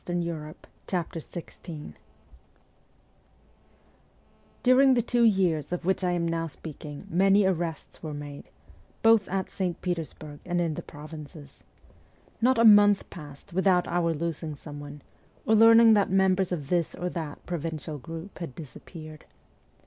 122 MEMOIRS OF A REVOLUTIONIST XVI DUBING the t\vo years of which I am now speaking many arrests were made, both at St. Petersburg and in the provinces. Not a month passed without oar losing someone, or learning that members of this or that pro vincial group had disappeared.